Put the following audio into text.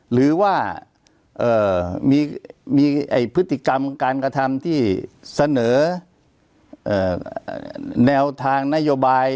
หรือว่ามีพฤติกรรมการกระทำที่เสนอแนวทางนโยบาย